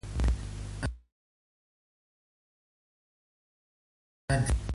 En finalitzar, la llarga cua és de color rogenc.